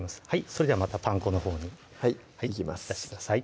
それではまたパン粉のほうにいきます